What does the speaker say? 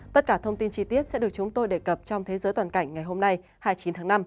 tất cả thông tin chi tiết sẽ được chúng tôi đề cập trong thế giới toàn cảnh ngày hôm nay hai mươi chín tháng năm